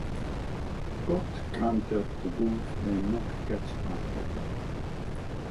God grant that the wolf may not catch our cattle.